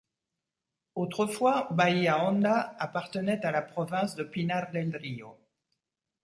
Autrefois Bahía Honda appartenait à la province de Pinar del Río.